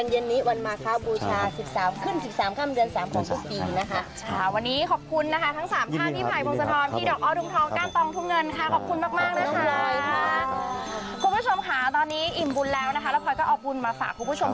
อย่าลืมเวียนลืมนะคะมาเวียนเทียนกันเย็นนี้วันมาค่ะ